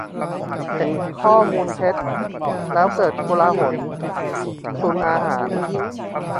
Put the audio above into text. - เห็นข้อมูลเท็จ แล้วเกิดโกลาหล-ตุนอาหาร